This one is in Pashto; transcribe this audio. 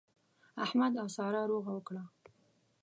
احمد او سارا روغه وکړه.